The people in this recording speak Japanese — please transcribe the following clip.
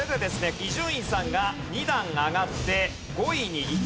伊集院さんが２段上がって５位に行く。